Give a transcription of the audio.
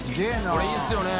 これいいですよね